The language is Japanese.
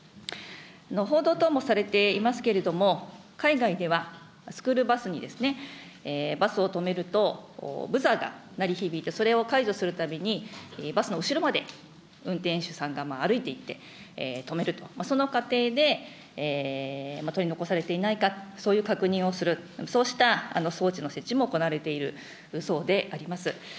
報道等もされていますけれども、海外では、スクールバスにバスを止めると、ブザーが鳴り響いて、それを解除するために、バスの後ろまで運転手さんが歩いていって止めると、その過程で取り残されていないか、そういう確認をする、そうした装置の設置も行われているそうであります。